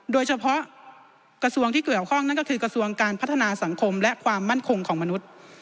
โดยเฉพาะกระทรวงที่เกี่ยวข้องนั่นก็คือกระทรวงการพัฒนาสังคมและความมั่นคงของมนุษย์